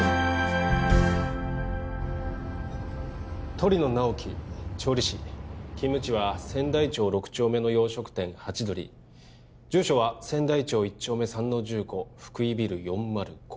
鳥野直木調理師勤務地は千代町６丁目の洋食店ハチドリ住所は千代町１丁目３の１５福井ビル４０５